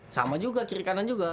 sama juga kiri kanan juga